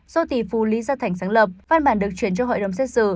số tỷ phù lý gia thành sáng lập văn bản được chuyển cho hội đồng xét xử